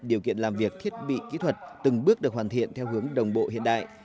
điều kiện làm việc thiết bị kỹ thuật từng bước được hoàn thiện theo hướng đồng bộ hiện đại